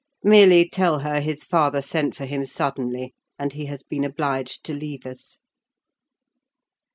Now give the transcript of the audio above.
Merely tell her his father sent for him suddenly, and he has been obliged to leave us."